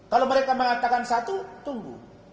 kalau mereka mengatakan satu tunggu